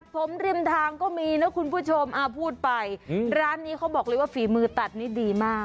ผมริมทางก็มีนะคุณผู้ชมพูดไปร้านนี้เขาบอกเลยว่าฝีมือตัดนี่ดีมาก